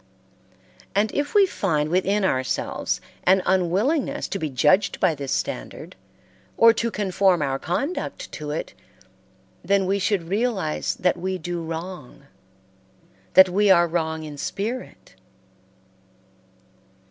And if we find within ourselves an unwillingness to be judged by this standard, or to conform our conduct to it, then we should realize that we do wrong, that we are wrong in spirit.